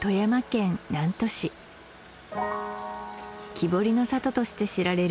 木彫りの里として知られる